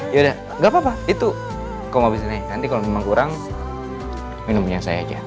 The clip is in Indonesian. yaudah gak apa apa itu kamu habisin aja nanti kalau memang kurang minum punya saya aja